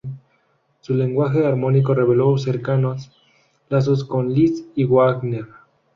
Su lenguaje armónico reveló cercanos lazos con Liszt y Wagner.